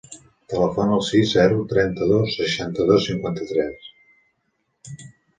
Telefona al sis, zero, trenta-dos, seixanta-dos, cinquanta-tres.